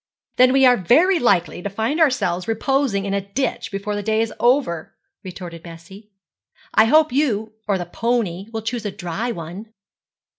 'Then we are very likely to find ourselves reposing in a ditch before the day is over,' retorted Bessie. 'I hope you or the pony will choose a dry one.'